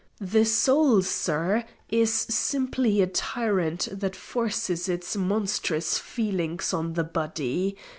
The soul, sir, is simply a tyrant that forces its monstrous feelings on the body.